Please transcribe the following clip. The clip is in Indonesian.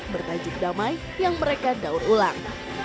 bertajuk damai yang mereka daur ulang